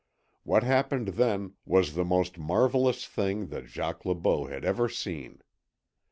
What happened then was the most marvellous thing that Jacques Le Beau had ever seen.